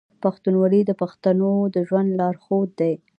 پښتونولي د پښتنو د ژوند لارښود دی.